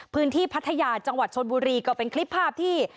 พัทยาจังหวัดชนบุรีก็เป็นคลิปภาพที่